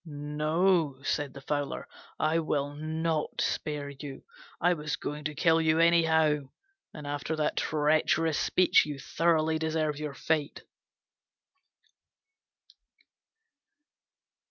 "No," said the Fowler, "I will not spare you. I was going to kill you anyhow, and after that treacherous speech you thoroughly deserve your fate."